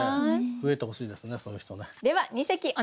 増えてほしいですねそういう人ね。